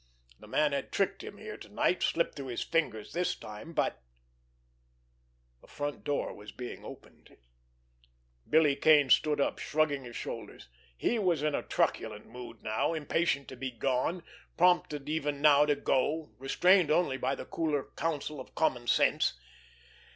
The man had tricked him here tonight, slipped through his fingers this time, but—— The front door was being opened. Billy Kane stood up, shrugging his shoulders. He was in a truculent mood now, impatient to be gone, prompted even now to go, restrained only by the cooler counsel of common sense.